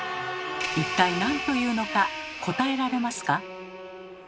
一体何と言うのか答えられますか？